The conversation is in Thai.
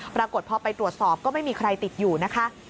ปรากฏพอไปตรวจสอบก็ไม่มีใครติดอยู่นะคะ